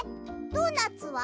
ドーナツは？